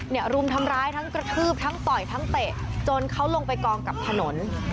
รุมทำร้ายทั้งกระทืบทั้งต่อยทั้งเตะจนเขาลงไปกองกับถนน